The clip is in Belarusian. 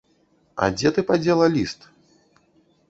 А дзе ты падзела ліст?